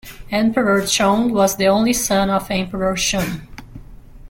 Emperor Chong was the only son of Emperor Shun.